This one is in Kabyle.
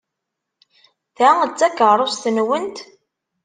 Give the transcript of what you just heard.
Ta d takeṛṛust-nwent?